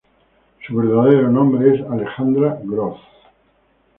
Su verdadero nombre es Alexandra Groth.